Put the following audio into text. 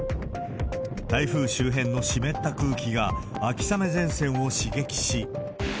台風周辺の湿った空気が秋雨前線を刺激し。